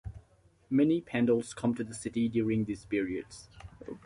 Many pandals come to the city during these periods.